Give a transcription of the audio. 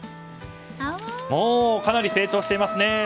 かなり成長していますね。